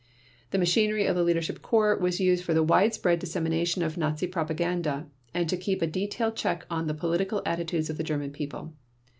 The machinery of the Leadership Corps was used for the wide spread dissemination of Nazi propaganda and to keep a detailed check on the political attitudes of the German People.